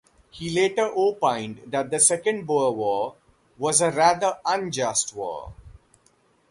He later opined that the Second Boer War was a rather unjust war.